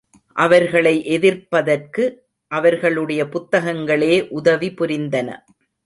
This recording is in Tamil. அவர்களை எதிர்ப்பதற்கு அவர்களுடைய புத்தகங்களே உதவிபுரிந்தன.